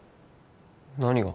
何が？